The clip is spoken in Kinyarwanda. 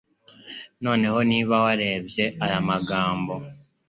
Noneho niba warebye aya magambo